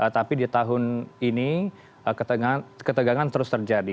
tapi di tahun ini ketegangan terus terjadi